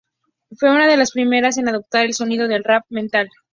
Fue una de las primeras en adoptar el sonido del rap metal.